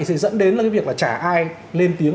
sẽ dẫn đến là cái việc là chả ai lên tiếng